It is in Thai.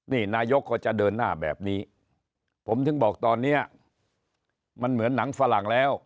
นี่นายกก็จะเดินหน้าแบบนี้ผมถึงบอกตอนนี้มันเหมือนหนังฝรั่งแล้ว